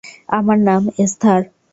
আমার নাম এস্থার।